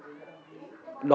đó là một lý do